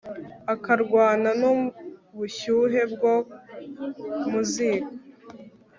akarwana n'ubushyuhe bwo mu ziko